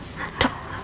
neneng diajakan dok